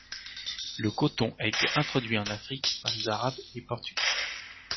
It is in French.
Le coton a été introduit en Afrique par les Arabes et les Portugais.